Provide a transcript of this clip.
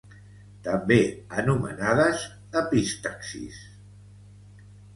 També anomenades epistaxis.